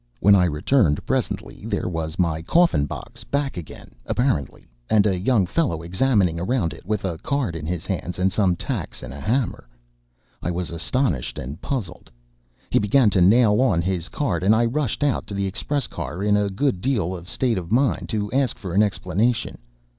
When I returned, presently, there was my coffin box back again, apparently, and a young fellow examining around it, with a card in his hands, and some tacks and a hammer! I was astonished and puzzled. He began to nail on his card, and I rushed out to the express car, in a good deal of a state of mind, to ask for an explanation.